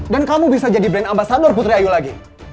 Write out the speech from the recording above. dan kamu bisa jadi brand ambasador putri ayu lagi